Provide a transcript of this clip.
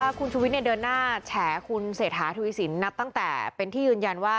ว่าคุณชุวิตในเดือนหน้าแฉคุณเสถาธุวิสินนับตั้งแต่เป็นที่ยืนยันว่า